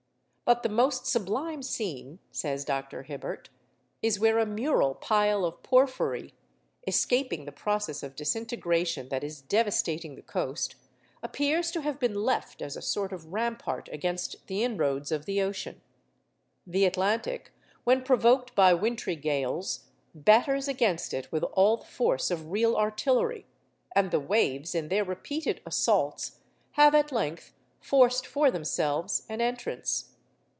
But the most sublime scene,' says Dr. Hibbert, 'is where a mural pile of porphyry, escaping the process of disintegration that is devastating the coast, appears to have been left as a sort of rampart against the inroads of the ocean. The Atlantic, when provoked by wintry gales, batters against it with all the force of real artillery; and the waves, in their repeated assaults, have at length forced for themselves an entrance.